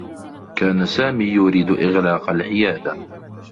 كان سامي يريد إغلاق العيادة.